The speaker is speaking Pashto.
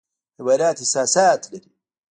حیوانات احساسات لري